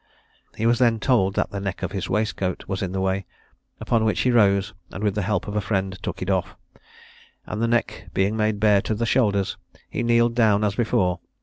He was then told that the neck of his waistcoat was in the way, upon which he rose, and with the help of a friend, took it off; and the neck being made bare to the shoulders, he kneeled down as before.